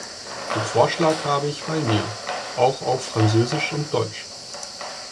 Den Vorschlag habe ich bei mir, auch auf Französisch und Deutsch.